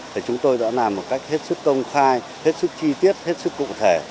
thì chúng tôi đã làm một cách hết sức công khai hết sức chi tiết hết sức cụ thể